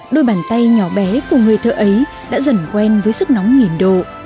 đôi bàn tay nhỏ bé của người thợ ấy đã dần quen với sức nóng nghìn độ